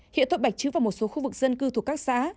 hiện thuộc bạch chữ và một số khu vực dân cư thuộc các xã